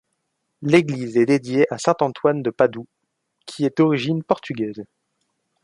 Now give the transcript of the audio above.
L'église est dédiée à Saint Antoine de Padoue, qui est d'origine portugaise.